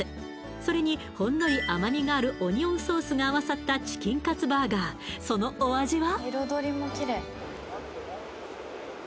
それにほんのり甘みがあるオニオンソースが合わさったチキンカツバーガーそのお味は？